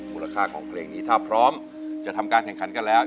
มูลค่าของเพลงนี้ถ้าพร้อมจะทำการแข่งขันกันแล้ว